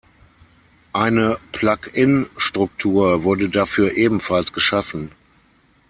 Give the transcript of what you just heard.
Eine Plug-in-Struktur wurde dafür ebenfalls geschaffen.